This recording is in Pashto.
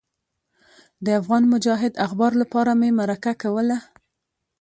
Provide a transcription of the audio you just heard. د افغان مجاهد اخبار لپاره مې مرکه کوله.